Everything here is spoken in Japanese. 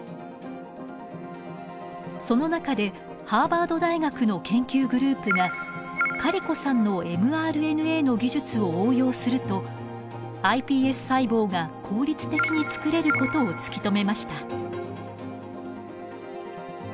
その中でハーバード大学の研究グループがカリコさんのｍＲＮＡの技術を応用するとｉＰＳ細胞が効率的に作れることを突き止めました。